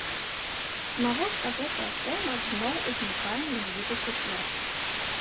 Навошта гэтая тэма зноў узнікае менавіта цяпер?